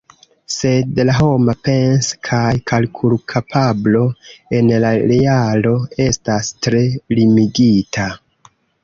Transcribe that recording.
Sed la homa pens- kaj kalkulkapablo en la realo estas tre limigita.